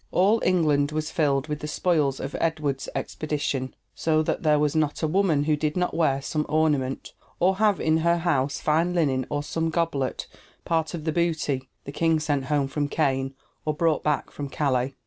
All England was filled with the spoils of Edward's expedition, so that there was not a woman who did not wear some ornament, or have in her house fine linen or some goblet, part of the booty the king sent home from Caen or brought back from Calais.